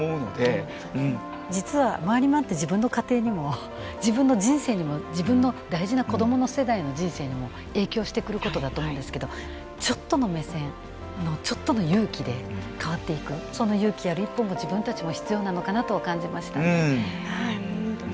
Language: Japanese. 実は回り回って自分の家庭にも自分の人生にも自分の大事な子どもの世代の人生にも影響してくることだと思うんですけどちょっとの目線のちょっとの勇気で変わっていくその勇気ある一歩も自分たちも必要なのかなとは感じましたね。